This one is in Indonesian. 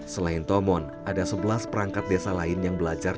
selain tomon ada sebelas perangkat desa lain yang belajar